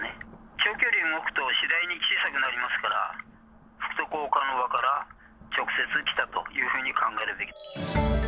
長距離動くと、次第に小さくなりますから、福徳岡ノ場から直接来たというふうに考えるべき。